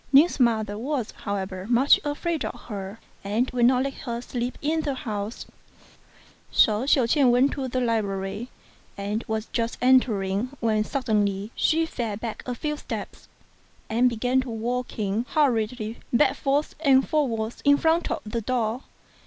Ning's mother was, however 7 much afraid of her, and would not let her sleep in the house; so Hsiao ch'ien went to the library, and was just catering when suddenly she fell back a few steps, and began walking hurriedly backwards and forwards in front K 2 132 STRANGE STORIES of the door.